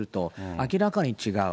明らかに違う。